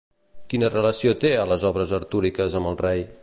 Quina relació té a les obres artúriques amb el rei?